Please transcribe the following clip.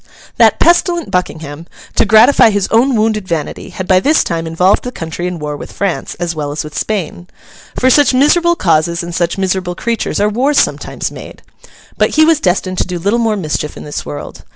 That pestilent Buckingham, to gratify his own wounded vanity, had by this time involved the country in war with France, as well as with Spain. For such miserable causes and such miserable creatures are wars sometimes made! But he was destined to do little more mischief in this world.